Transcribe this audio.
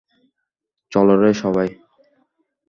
চল রে সবাই।